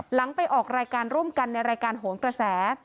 หลังไปออกรายการร่วมกันในรายการโหนกระแส